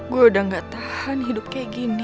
gue udah gak tahan hidup kayak gini